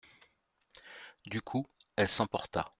Du coup, elle s'emporta.